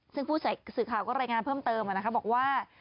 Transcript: ซึ่งผู้สื่อข่าวก็รายงานเพิ่มเติมบอกว่า